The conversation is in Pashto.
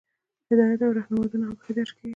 هدایات او رهنمودونه هم پکې درج کیږي.